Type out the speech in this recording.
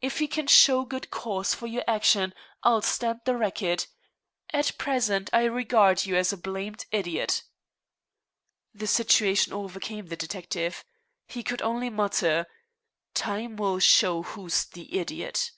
If you can show good cause for your action, I'll stand the racket. At present I regard you as a blamed idiot." The situation overcame the detective. He could only mutter: "Time will show who's the idiot."